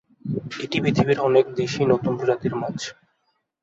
এটি পৃথিবীর অনেক দেশেই নতুন প্রজাতির মাছ।